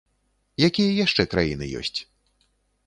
Якія яшчэ краіны ёсць?